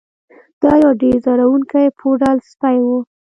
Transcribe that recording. دا یو ډیر ځورونکی پوډل سپی و